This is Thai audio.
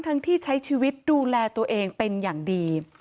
ที่ใช้ชีวิตดูแลตัวเองเป็นอย่างดี